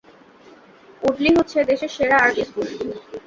Woodley হচ্ছে দেশের সেরা আর্ট স্কুল।